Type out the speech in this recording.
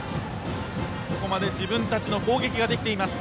ここまで自分たちの攻撃ができています。